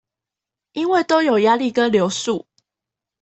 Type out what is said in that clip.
因為都有壓力跟流速